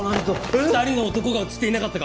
２人の男が映っていなかったか？